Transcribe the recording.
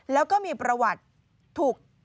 แล้วก็มีประวัติถูก